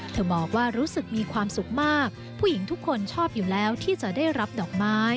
เธอบอกว่ารู้สึกมีความสุขมาก